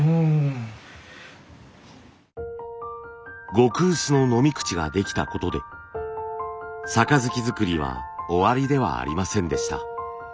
極薄の飲み口ができたことで盃作りは終わりではありませんでした。